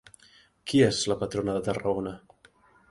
Qui és la patrona de Tarragona?